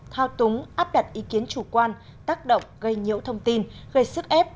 thao túng áp đặt ý kiến chủ quan tác động gây nhiễu thông tin gây sức ép